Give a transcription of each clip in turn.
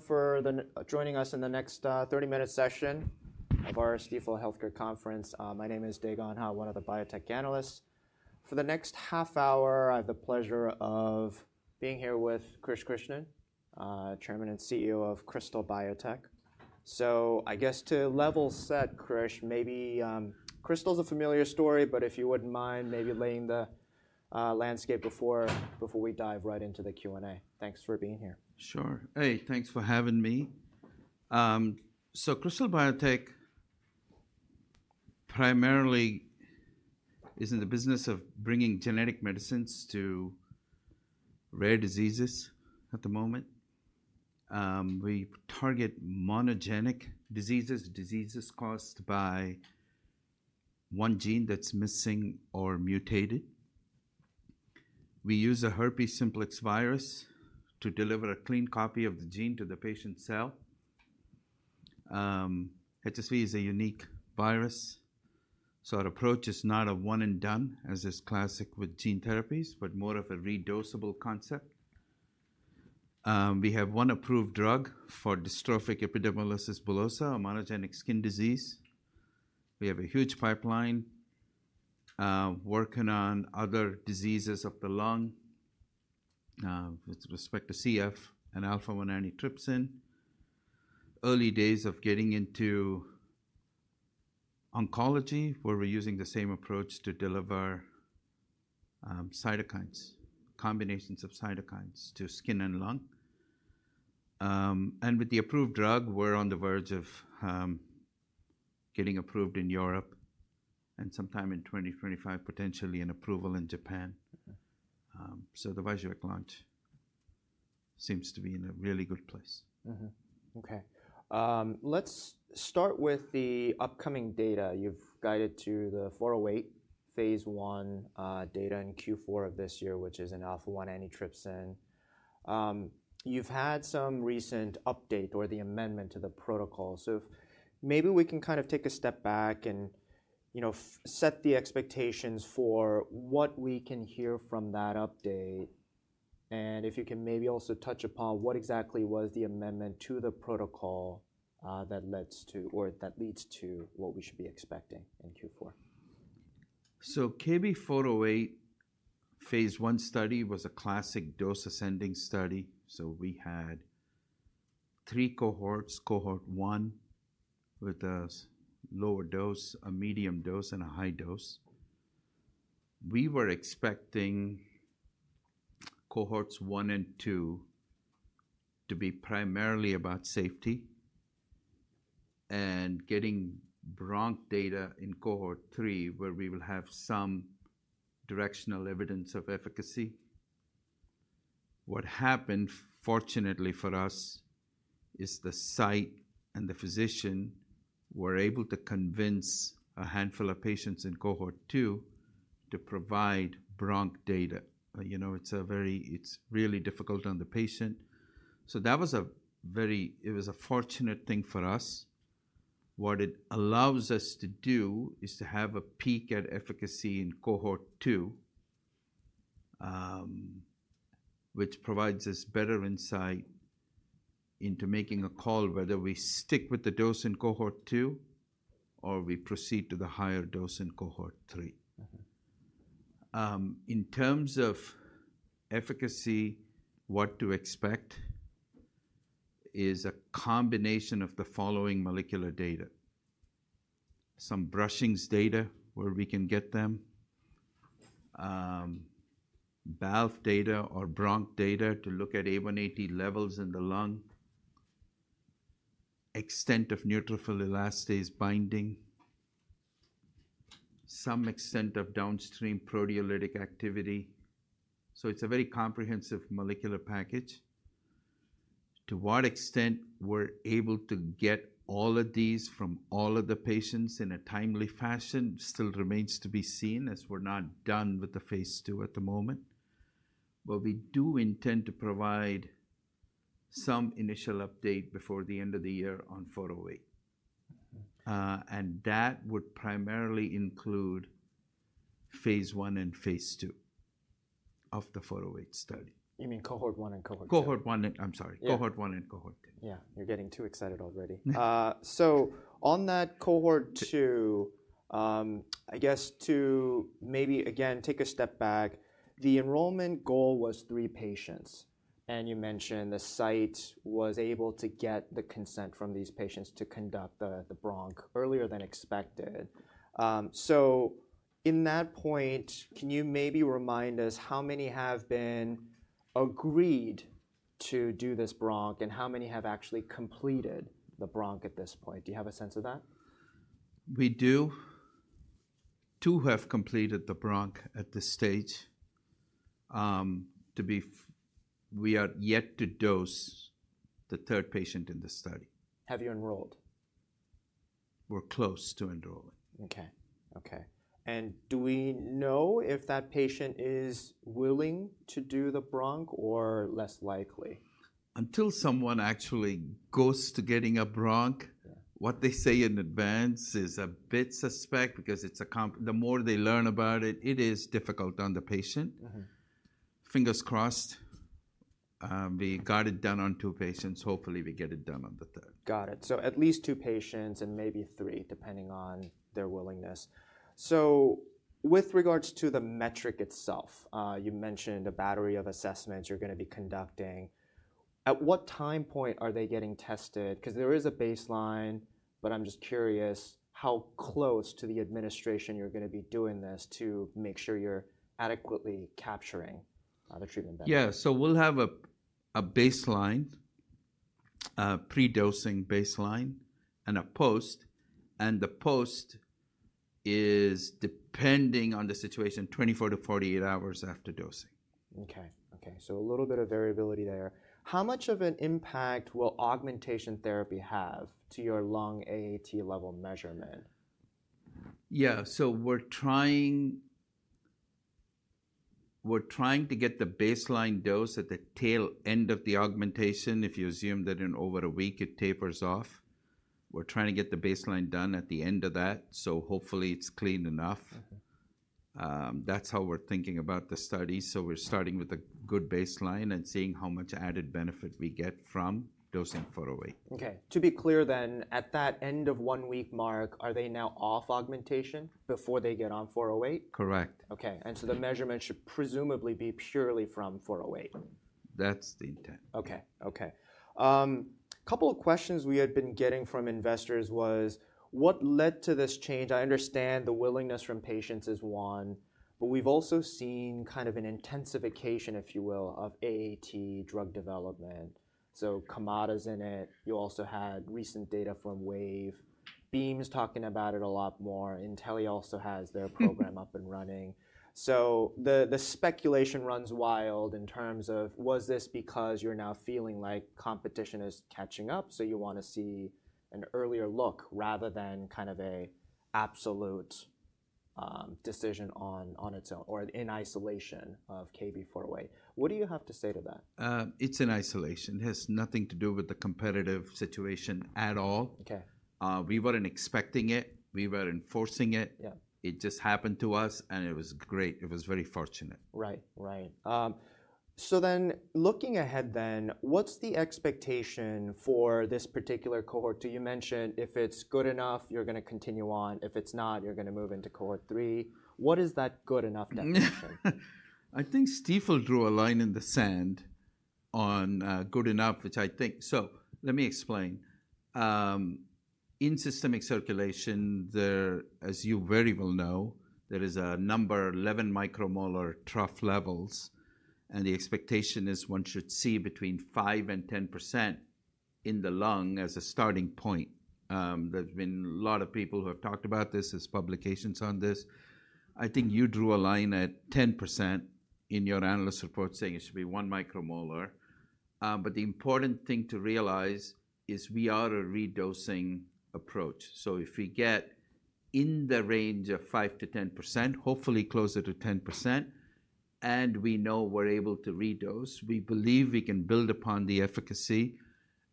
for joining us in the next 30-minute session of our Stifel Healthcare Conference. My name is Dae Gon Ha, one of the biotech analysts. For the next half hour, I have the pleasure of being here with Krish Krishnan, Chairman and CEO of Krystal Biotech, so I guess to level set, Krish, maybe Krystal's a familiar story, but if you wouldn't mind maybe laying the landscape before we dive right into the Q&A. Thanks for being here. Sure. Hey, thanks for having me. Krystal Biotech primarily is in the business of bringing genetic medicines to rare diseases at the moment. We target monogenic diseases, diseases caused by one gene that's missing or mutated. We use a herpes simplex virus to deliver a clean copy of the gene to the patient's cell. HSV is a unique virus, so our approach is not a one-and-done, as is classic with gene therapies, but more of a redosable concept. We have one approved drug for dystrophic epidermolysis bullosa, a monogenic skin disease. We have a huge pipeline working on other diseases of the lung with respect to CF and alpha-1 antitrypsin. Early days of getting into oncology, where we're using the same approach to deliver cytokines, combinations of cytokines to skin and lung. With the approved drug, we're on the verge of getting approved in Europe and sometime in 2025, potentially an approval in Japan. The Vyjuvek launch seems to be in a really good place. Okay. Let's start with the upcoming data. You've guided to the 408 phase I data in Q4 of this year, which is an alpha-1 antitrypsin. You've had some recent update or the amendment to the protocol. So maybe we can kind of take a step back and set the expectations for what we can hear from that update. And if you can maybe also touch upon what exactly was the amendment to the protocol that leads to what we should be expecting in Q4. KB408 phase I study was a classic dose-ascending study. We had three cohorts, cohort one with a lower dose, a medium dose, and a high dose. We were expecting cohorts one and two to be primarily about safety and getting bronch data in cohort three, where we will have some directional evidence of efficacy. What happened, fortunately for us, is the site and the physician were able to convince a handful of patients in cohort two to provide bronch data. It's really difficult on the patient. That was a very fortunate thing for us. What it allows us to do is to have a peek at efficacy in Cohort 2, which provides us better insight into making a call whether we stick with the dose in cohort two or we proceed to the higher dose in cohort three. In terms of efficacy, what to expect is a combination of the following molecular data: some brushing data where we can get them, BAL data or bronch data to look at AAT levels in the lung, extent of neutrophil elastase binding, some extent of downstream proteolytic activity. So it's a very comprehensive molecular package. To what extent we're able to get all of these from all of the patients in a timely fashion still remains to be seen, as we're not done with the phase II at the moment. But we do intend to provide some initial update before the end of the year on 408, and that would primarily include phase I and phase II of the 408 study. You mean cohort one and cohort two? I'm sorry, cohort one and cohort two. Yeah. You're getting too excited already. So on that cohort two, I guess to maybe, again, take a step back, the enrollment goal was three patients. And you mentioned the site was able to get the consent from these patients to conduct the bronch earlier than expected. So at that point, can you maybe remind us how many have been agreed to do this bronch and how many have actually completed the bronch at this point? Do you have a sense of that? We do. Two have completed the bronch at this stage. We are yet to dose the third patient in the study. Have you enrolled? We're close to enrolling. Okay. And do we know if that patient is willing to do the bronch or less likely? Until someone actually goes to getting a bronch, what they say in advance is a bit suspect because the more they learn about it, it is difficult on the patient. We got it done on two patients. Hopefully, we get it done on the third. Got it. So at least two patients and maybe three, depending on their willingness. So with regards to the metric itself, you mentioned a battery of assessments you're going to be conducting. At what time point are they getting tested? Because there is a baseline, but I'm just curious how close to the administration you're going to be doing this to make sure you're adequately capturing the treatment benefits. Yeah. So we'll have a baseline, a pre-dosing baseline, and a post. And the post is, depending on the situation, 24-48 hours after dosing. Okay. Okay. So a little bit of variability there. How much of an impact will augmentation therapy have to your lung AAT level measurement? Yeah. So we're trying to get the baseline dose at the tail end of the augmentation if you assume that in over a week it tapers off. We're trying to get the baseline done at the end of that, so hopefully it's clean enough. That's how we're thinking about the study. So we're starting with a good baseline and seeing how much added benefit we get from dosing 408. Okay. To be clear then, at the end of the one-week mark, are they now off augmentation before they get on 408? Correct. Okay, and so the measurement should presumably be purely from 408. That's the intent. Okay. Okay. A couple of questions we had been getting from investors was, what led to this change? I understand the willingness from patients is one, but we've also seen kind of an intensification, if you will, of AAT drug development. So Kamata's in it. You also had recent data from Wave. Beam's talking about it a lot more. Intelli also has their program up and running. So the speculation runs wild in terms of, was this because you're now feeling like competition is catching up, so you want to see an earlier look rather than kind of an absolute decision on its own or in isolation of KB408? What do you have to say to that? It's in isolation. It has nothing to do with the competitive situation at all. We weren't expecting it. We were enforcing it. It just happened to us, and it was great. It was very fortunate. Right. Right. So then looking ahead then, what's the expectation for this particular cohort? You mentioned if it's good enough, you're going to continue on. If it's not, you're going to move into cohort three. What is that good enough definition? I think Stifel drew a line in the sand on good enough, which I think, so let me explain. In systemic circulation, as you very well know, there is a number, 11 micromolar trough levels. The expectation is one should see between five and 10% in the lung as a starting point. There's been a lot of people who have talked about this. There's publications on this. I think you drew a line at 10% in your analyst report saying it should be one micromolar. The important thing to realize is we are a re-dosing approach. So if we get in the range of 5%-10%, hopefully closer to 10%, and we know we're able to re-dose, we believe we can build upon the efficacy.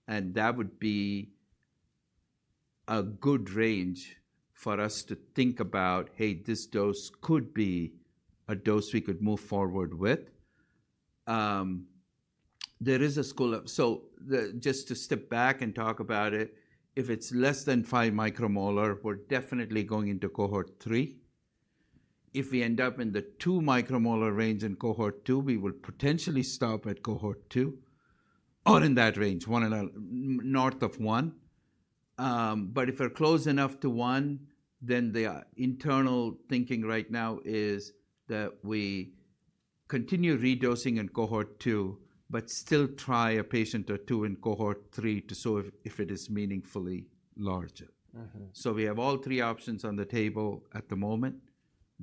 That would be a good range for us to think about, hey, this dose could be a dose we could move forward with. There is a school of thought, so just to step back and talk about it, if it's less than five micromolar, we're definitely going into cohort three. If we end up in the two micromolar range in cohort two, we will potentially stop at cohort two or in that range, north of one. But if we're close enough to one, then the internal thinking right now is that we continue re-dosing in cohort two, but still try a patient or two in Cohort 3 to see if it is meaningfully larger. So we have all three options on the table at the moment.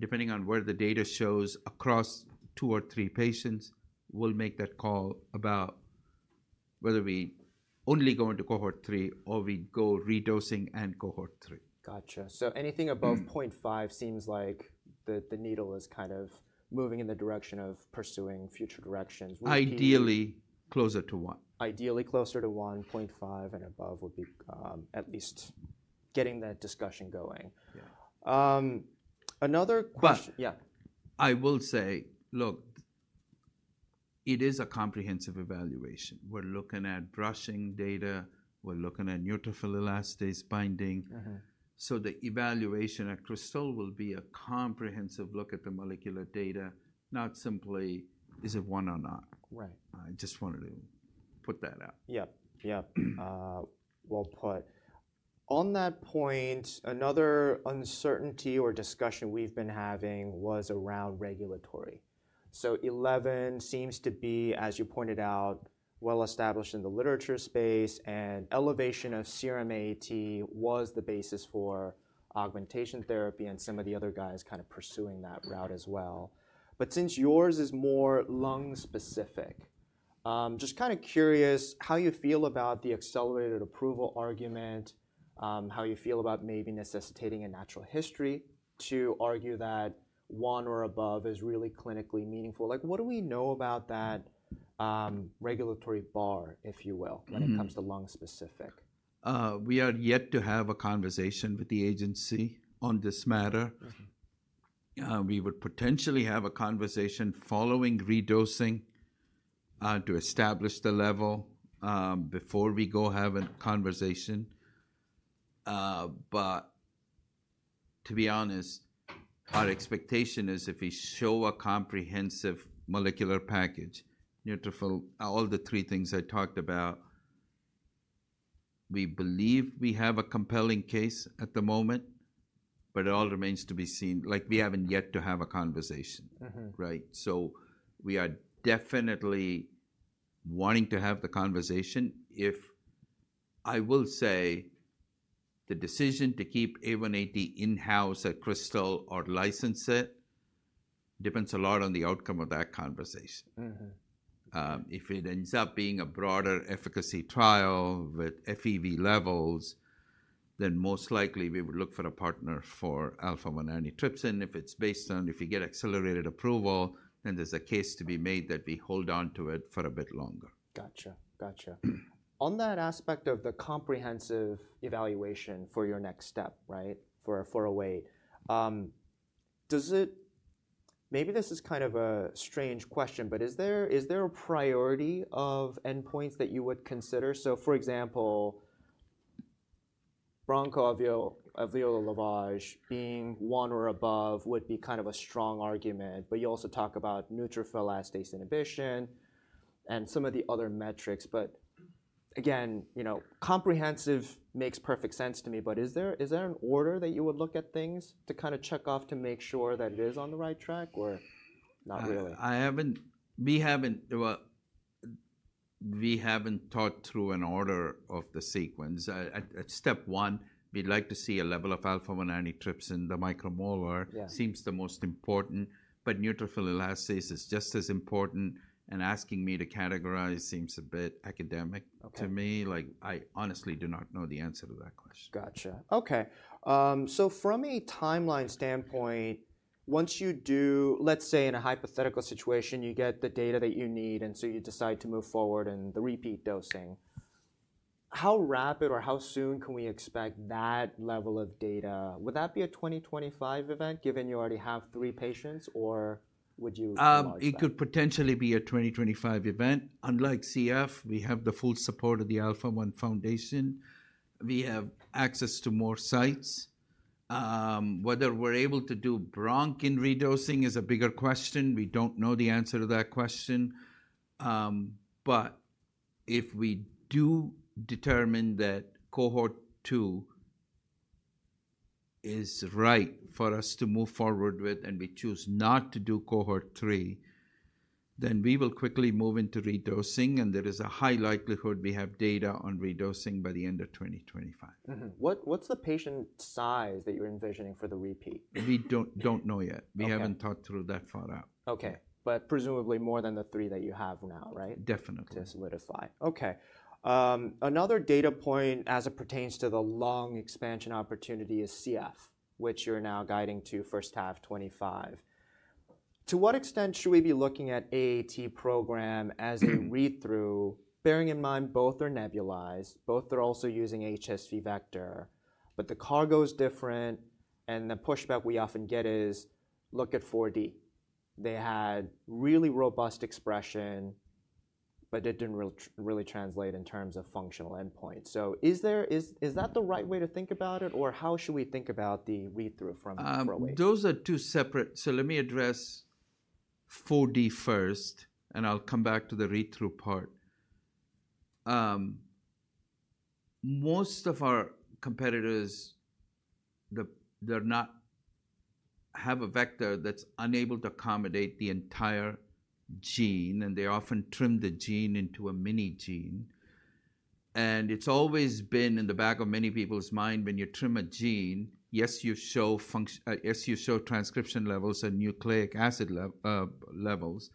Depending on where the data shows across two or three patients, we'll make that call about whether we only go into cohort three or we go re-dosing and cohort three. Gotcha. So anything above 0.5 seems like the needle is kind of moving in the direction of pursuing future directions. Ideally closer to one. Ideally closer to 1.5 and above would be at least getting that discussion going. Another question. But I will say, look, it is a comprehensive evaluation. We're looking at brushing data. We're looking at neutrophil elastase binding. So the evaluation at Krystal will be a comprehensive look at the molecular data, not simply is it one or not. I just wanted to put that out. Yep. Yep. Well put. On that point, another uncertainty or discussion we've been having was around regulatory. So 11 seems to be, as you pointed out, well established in the literature space. And elevation of serum AAT was the basis for augmentation therapy and some of the other guys kind of pursuing that route as well. But since yours is more lung-specific, just kind of curious how you feel about the accelerated approval argument, how you feel about maybe necessitating a natural history to argue that one or above is really clinically meaningful. What do we know about that regulatory bar, if you will, when it comes to lung-specific? We are yet to have a conversation with the agency on this matter. We would potentially have a conversation following re-dosing to establish the level before we go have a conversation. But to be honest, our expectation is if we show a comprehensive molecular package, neutrophil, all the three things I talked about, we believe we have a compelling case at the moment. But it all remains to be seen. We haven't yet to have a conversation, right? So we are definitely wanting to have the conversation. If I will say the decision to keep alpha-1 antitrypsin in-house at Krystal or license it depends a lot on the outcome of that conversation. If it ends up being a broader efficacy trial with FEV levels, then most likely we would look for a partner for alpha-1 antitrypsin. If it's based on if you get accelerated approval, then there's a case to be made that we hold on to it for a bit longer. Gotcha. Gotcha. On that aspect of the comprehensive evaluation for your next step, right, for 408, does it maybe this is kind of a strange question, but is there a priority of endpoints that you would consider? So for example, bronchoalveolar lavage being one or above would be kind of a strong argument. But you also talk about neutrophil elastase inhibition and some of the other metrics. But again, comprehensive makes perfect sense to me. But is there an order that you would look at things to kind of check off to make sure that it is on the right track or not really? We haven't talked through an order of the sequence. At step one, we'd like to see a level of alpha-1 antitrypsin. The micromolar seems the most important. But neutrophil elastase is just as important. And asking me to categorize seems a bit academic to me. I honestly do not know the answer to that question. Gotcha. Okay. So from a timeline standpoint, once you do, let's say in a hypothetical situation, you get the data that you need, and so you decide to move forward and the repeat dosing, how rapid or how soon can we expect that level of data? Would that be a 2025 event given you already have three patients, or would you? It could potentially be a 2025 event. Unlike CF, we have the full support of the Alpha-1 Foundation. We have access to more sites. Whether we're able to do bronch in re-dosing is a bigger question. We don't know the answer to that question. But if we do determine that Cohort 2 is right for us to move forward with and we choose not to do Cohort 3, then we will quickly move into re-dosing. And there is a high likelihood we have data on re-dosing by the end of 2025. What's the patient size that you're envisioning for the repeat? We don't know yet. We haven't thought through that far out. Okay. But presumably more than the three that you have now, right? Definitely. Another data point as it pertains to the lung expansion opportunity is CF, which you're now guiding to first half 2025. To what extent should we be looking at AAT program as a read-through, bearing in mind both are nebulized, both are also using HSV vector, but the cargo is different? And the pushback we often get is, look at 4D. They had really robust expression, but it didn't really translate in terms of functional endpoint. So is that the right way to think about it, or how should we think about the read-through from 408? Those are two separate. So let me address 4D first, and I'll come back to the read-through part. Most of our competitors, they have a vector that's unable to accommodate the entire gene, and they often trim the gene into a mini gene. And it's always been in the back of many people's mind, when you trim a gene, yes, you show transcription levels and nucleic acid levels,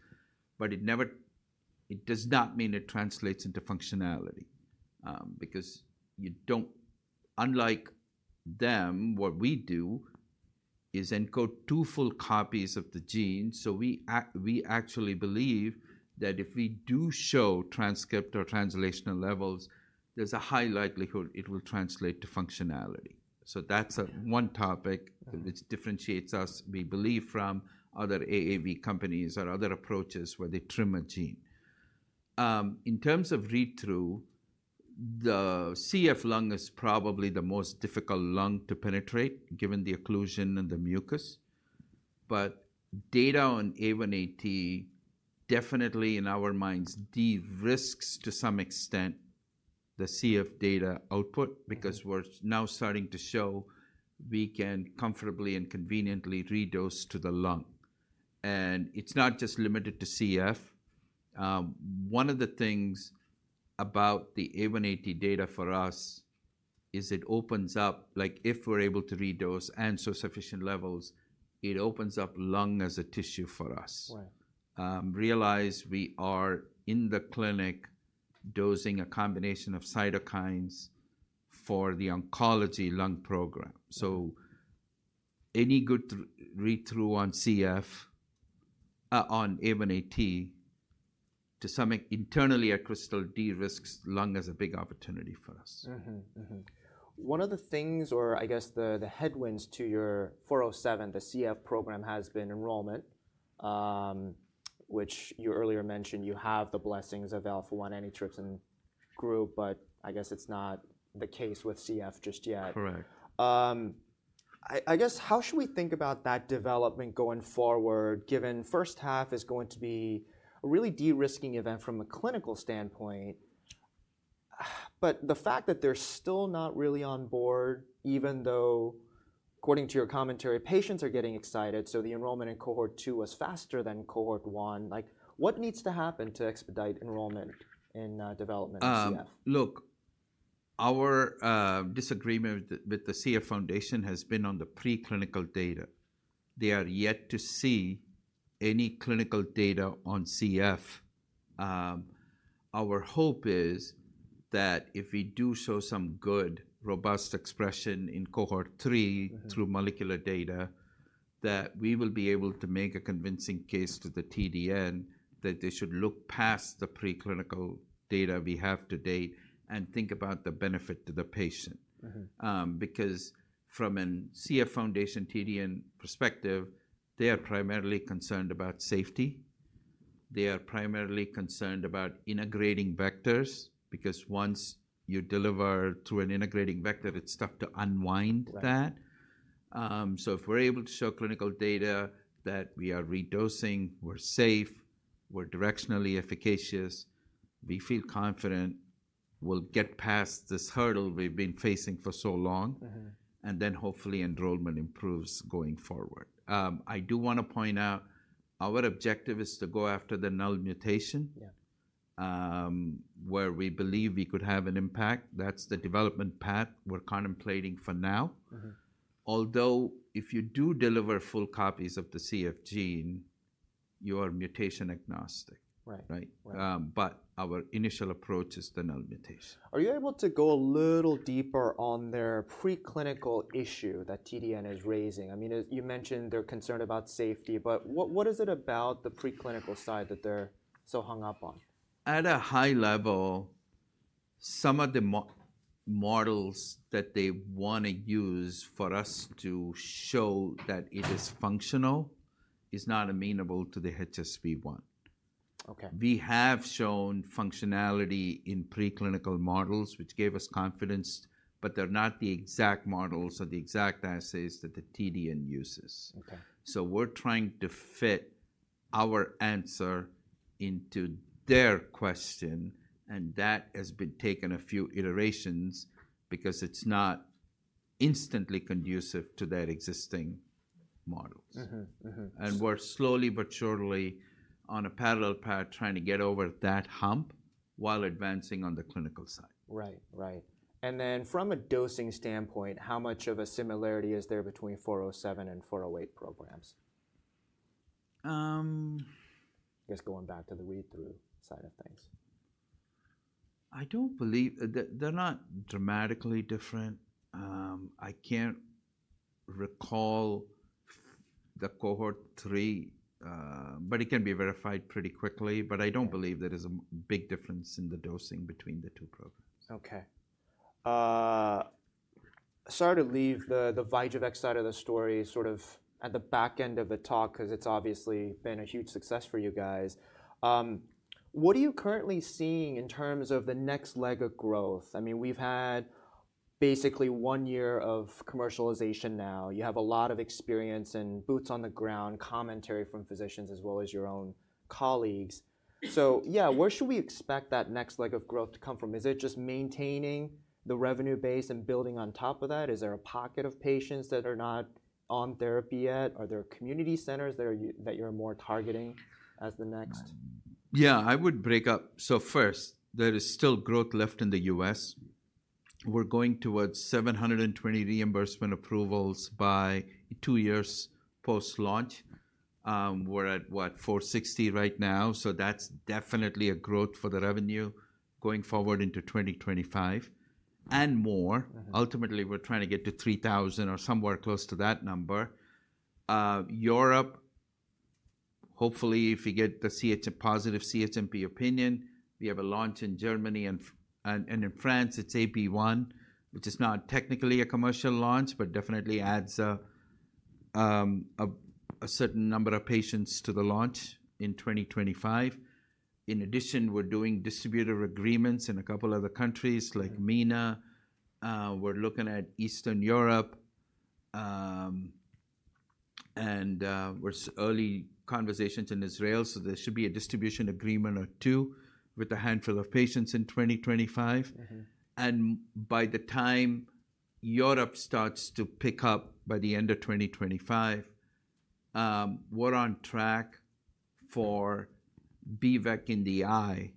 but it does not mean it translates into functionality. Because unlike them, what we do is encode two full copies of the gene. So we actually believe that if we do show transcript or translational levels, there's a high likelihood it will translate to functionality. So that's one topic that differentiates us, we believe, from other AAV companies or other approaches where they trim a gene. In terms of read-through, the CF lung is probably the most difficult lung to penetrate given the occlusion and the mucus. But data on AAT definitely in our minds de-risks to some extent the CF data output because we're now starting to show we can comfortably and conveniently re-dose to the lung. And it's not just limited to CF. One of the things about the AAT data for us is it opens up, like if we're able to re-dose and show sufficient levels, it opens up lung as a tissue for us. Realize we are in the clinic dosing a combination of cytokines for the oncology lung program. So any good read-through on AAT to some internally at Krystal de-risks lung as a big opportunity for us. One of the things, or I guess the headwinds to your 407, the CF program has been enrollment, which you earlier mentioned you have the blessings of alpha-1 antitrypsin group, but I guess it's not the case with CF just yet. Correct. I guess how should we think about that development going forward given first half is going to be a really de-risking event from a clinical standpoint? But the fact that they're still not really on board, even though according to your commentary, patients are getting excited. So the enrollment in cohort two was faster than cohort one. What needs to happen to expedite enrollment in development of CF? Look, our disagreement with the CF Foundation has been on the preclinical data. They are yet to see any clinical data on CF. Our hope is that if we do show some good robust expression in Cohort 3 through molecular data, that we will be able to make a convincing case to the TDN that they should look past the preclinical data we have to date and think about the benefit to the patient. Because from a CF Foundation TDN perspective, they are primarily concerned about safety. They are primarily concerned about integrating vectors. Because once you deliver through an integrating vector, it's tough to unwind that. So if we're able to show clinical data that we are re-dosing, we're safe, we're directionally efficacious, we feel confident, we'll get past this hurdle we've been facing for so long, and then hopefully enrollment improves going forward. I do want to point out our objective is to go after the Null Mutation, where we believe we could have an impact. That's the development path we're contemplating for now. Although if you do deliver full copies of the CF gene, you are mutation agnostic, right, but our initial approach is the Null Mutation. Are you able to go a little deeper on their preclinical issue that TDN is raising? I mean, you mentioned they're concerned about safety, but what is it about the preclinical side that they're so hung up on? At a high level, some of the models that they want to use for us to show that it is functional is not amenable to the HSV1. We have shown functionality in preclinical models, which gave us confidence, but they're not the exact models or the exact assays that the TDN uses. So we're trying to fit our answer into their question. And that has been taken a few iterations because it's not instantly conducive to their existing models. And we're slowly but surely on a parallel path trying to get over that hump while advancing on the clinical side. Right, right. And then from a dosing standpoint, how much of a similarity is there between 407 and 408 programs? I guess going back to the read-through side of things. I don't believe they're not dramatically different. I can't recall the Cohort 3, but it can be verified pretty quickly. But I don't believe there is a big difference in the dosing between the two programs. Okay. Sorry to leave the Vyjuvek side of the story sort of at the back end of the talk because it's obviously been a huge success for you guys. What are you currently seeing in terms of the next leg of growth? I mean, we've had basically one year of commercialization now. You have a lot of experience and boots on the ground commentary from physicians as well as your own colleagues. So yeah, where should we expect that next leg of growth to come from? Is it just maintaining the revenue base and building on top of that? Is there a pocket of patients that are not on therapy yet? Are there community centers that you're more targeting as the next? Yeah, I would break it up. So first, there is still growth left in the U.S. We're going towards 720 reimbursement approvals by two years post-launch. We're at, what, 460 right now. So that's definitely a growth for the revenue going forward into 2025 and more. Ultimately, we're trying to get to 3,000 or somewhere close to that number. Europe, hopefully if we get the positive CHMP opinion, we have a launch in Germany. And in France, it's ATU, which is not technically a commercial launch, but definitely adds a certain number of patients to the launch in 2025. In addition, we're doing distributor agreements in a couple of other countries like MENA. We're looking at Eastern Europe. And we're in early conversations in Israel. So there should be a distribution agreement or two with a handful of patients in 2025. By the time Europe starts to pick up by the end of 2025, we're on track for B-VEC in the eye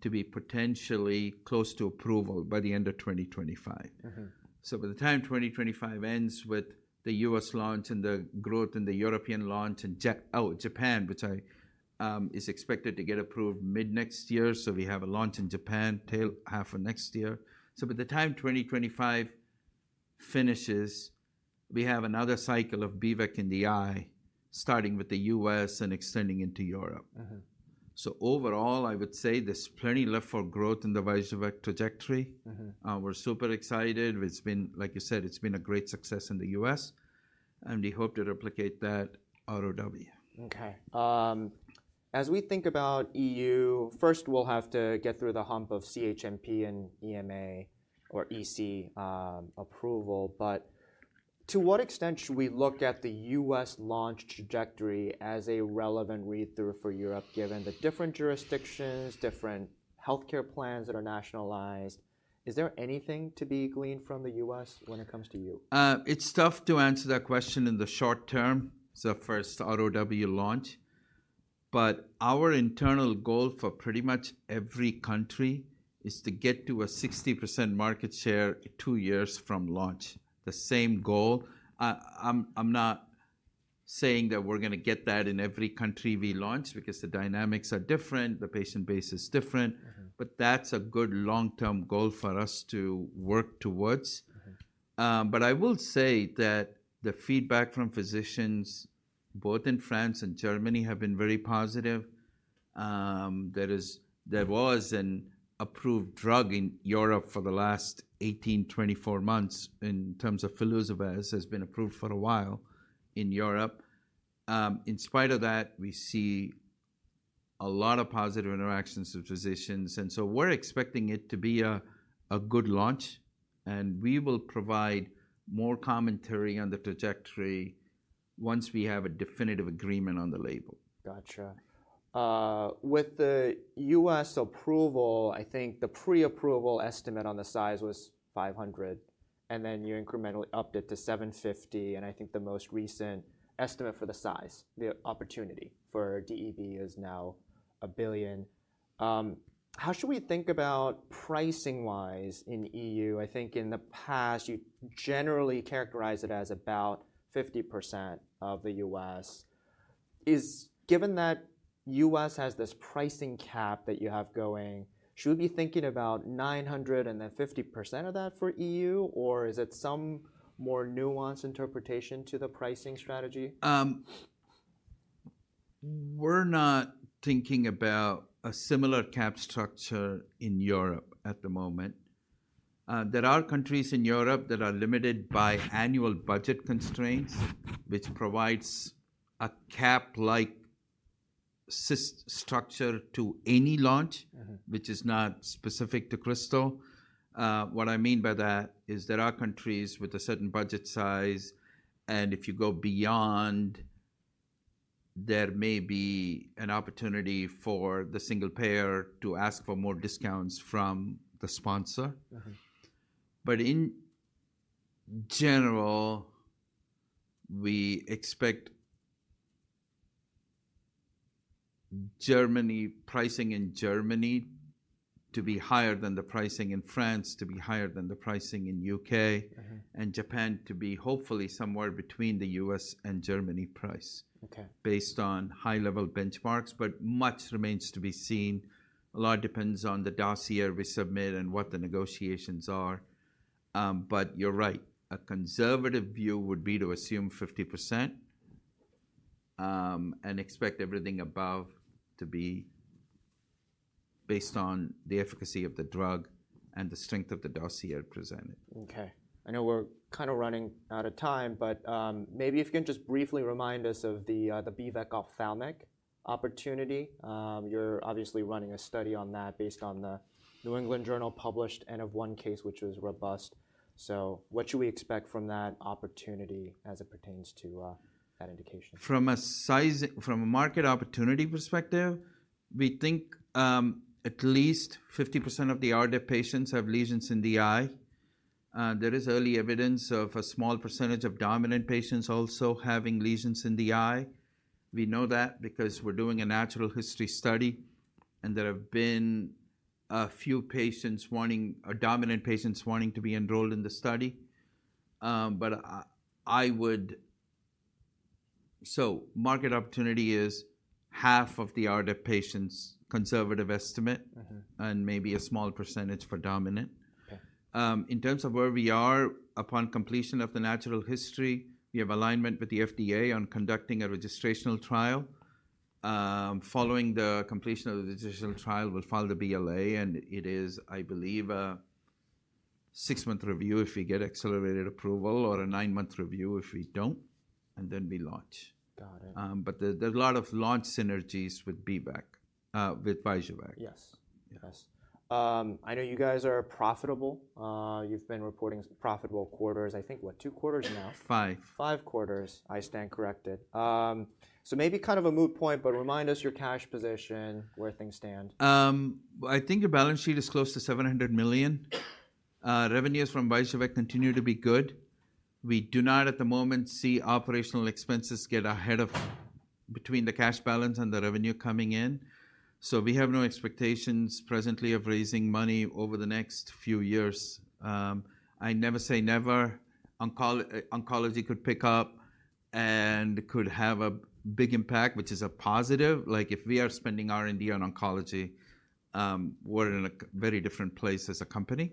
to be potentially close to approval by the end of 2025. By the time 2025 ends with the U.S. launch and the growth in the European launch in Japan, which is expected to get approved mid next year. We have a launch in Japan till half of next year. By the time 2025 finishes, we have another cycle of B-VEC in the eye starting with the U.S. and extending into Europe. Overall, I would say there's plenty left for growth in the Vyjuvek trajectory. We're super excited. Like you said, it's been a great success in the U.S. We hope to replicate that ROW. Okay. As we think about E.U., first, we'll have to get through the hump of CHMP and EMA or E.C. approval. But to what extent should we look at the U.S. launch trajectory as a relevant read-through for Europe given the different jurisdictions, different healthcare plans that are nationalized? Is there anything to be gleaned from the U.S. when it comes to E.U.? It's tough to answer that question in the short term. So first, ROW launch. But our internal goal for pretty much every country is to get to a 60% market share two years from launch. The same goal. I'm not saying that we're going to get that in every country we launch because the dynamics are different. The patient base is different. But that's a good long-term goal for us to work towards. But I will say that the feedback from physicians both in France and Germany have been very positive. There was an approved drug in Europe for the last 18-24 months in terms of Filsuvez has been approved for a while in Europe. In spite of that, we see a lot of positive interactions with physicians. And so we're expecting it to be a good launch. We will provide more commentary on the trajectory once we have a definitive agreement on the label. Gotcha. With the U.S. approval, I think the pre-approval estimate on the size was 500. And then you incrementally upped it to 750. And I think the most recent estimate for the size, the opportunity for DEB is now a billion. How should we think about pricing-wise in E.U.? I think in the past, you generally characterize it as about 50% of the U.S. Given that U.S. has this pricing cap that you have going, should we be thinking about 95% of that for E.U.? Or is it some more nuanced interpretation to the pricing strategy? We're not thinking about a similar cap structure in Europe at the moment. There are countries in Europe that are limited by annual budget constraints, which provides a cap-like structure to any launch, which is not specific to Krystal. What I mean by that is there are countries with a certain budget size. And if you go beyond, there may be an opportunity for the single payer to ask for more discounts from the sponsor. But in general, we expect pricing in Germany to be higher than the pricing in France, to be higher than the pricing in U.K., and Japan to be hopefully somewhere between the U.S. and Germany price based on high-level benchmarks. But much remains to be seen. A lot depends on the dossier we submit and what the negotiations are. But you're right. A conservative view would be to assume 50% and expect everything above to be based on the efficacy of the drug and the strength of the dossier presented. Okay. I know we're kind of running out of time, but maybe if you can just briefly remind us of the B-VEC ophthalmic opportunity. You're obviously running a study on that based on the New England Journal published N of one case, which was robust. So what should we expect from that opportunity as it pertains to that indication? From a market opportunity perspective, we think at least 50% of the RDEB patients have lesions in the eye. There is early evidence of a small percentage of dominant patients also having lesions in the eye. We know that because we're doing a natural history study, and there have been a few dominant patients wanting to be enrolled in the study, so market opportunity is half of the RDEB patients' conservative estimate and maybe a small percentage for dominant. In terms of where we are upon completion of the natural history, we have alignment with the FDA on conducting a registrational trial. Following the completion of the registrational trial, we'll file the BLA, and it is, I believe, a six-month review if we get accelerated approval or a nine-month review if we don't, and then we launch, but there's a lot of launch synergies with Vyjuvek. Yes. I know you guys are profitable. You've been reporting profitable quarters. I think, what, two quarters now? Five. Five quarters. I stand corrected. So maybe kind of a moot point, but remind us your cash position, where things stand. I think the balance sheet is close to $700 million. Revenues from Vyjuvek continue to be good. We do not at the moment see operational expenses get ahead of between the cash balance and the revenue coming in. So we have no expectations presently of raising money over the next few years. I never say never. Oncology could pick up and could have a big impact, which is a positive. Like if we are spending R&D on oncology, we're in a very different place as a company.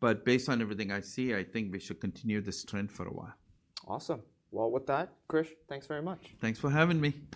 But based on everything I see, I think we should continue this trend for a while. Awesome. Well, with that, Krish, thanks very much. Thanks for having me.